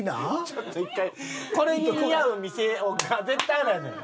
ちょっと１回これに似合う店が絶対あるはずや。